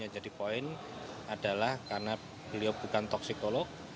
jadi poin adalah karena beliau bukan toksikolog